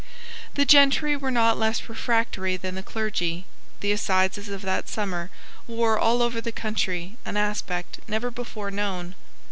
The gentry were not less refractory than the clergy. The assizes of that summer wore all over the country an aspect never before known.